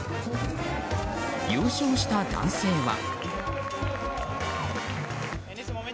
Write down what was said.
優勝した男性は。